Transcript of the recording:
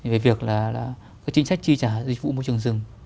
về việc là chính sách chi trả dịch vụ môi trường rừng